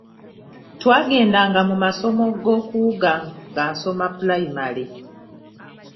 Twagendanga mu masomo g'okuwuga nga nsoma pulayimale.